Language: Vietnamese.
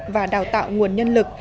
và đào tạo nguồn nhân lực